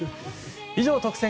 以上、特選！！